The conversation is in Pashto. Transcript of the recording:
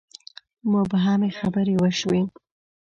مبهمې خبرې وشوې.